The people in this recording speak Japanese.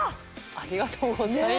ありがとうございます